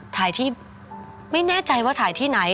ถ่ายที่ไม่แน่ใจว่าถ่ายที่ไหน